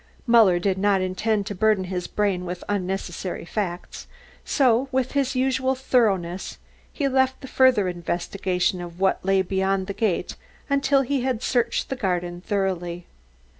Muller did not intend to burden his brain with unnecessary facts, so with his usual thoroughness he left the further investigation of what lay beyond the gate, until he had searched the garden thoroughly.